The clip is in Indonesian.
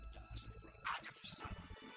ya saya kurang ajar susah